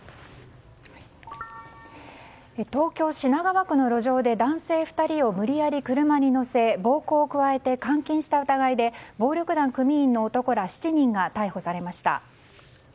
東京・品川区の路上で男性２人を無理やり車に乗せ暴行を加えて監禁した疑いで暴力団組員の男ら７人が逮捕されました。